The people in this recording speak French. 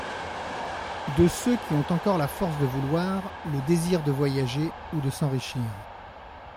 De ceux qui ont encore la force de vouloir, le désir de voyager ou de s’enrichir .